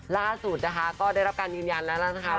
ล่าสุดนะคะก็ได้รับการยืนยันแล้วนะคะ